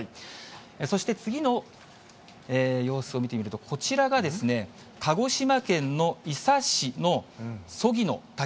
そして次の様子を見てみると、こちらが、鹿児島県の伊佐市の曽木の滝。